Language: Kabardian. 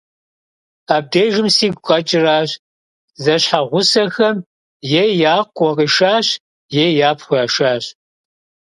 Абдежым сигу къэкӀаращ: зэщхьэгъусэхэм е я къуэ къишащ, е япхъу яшащ.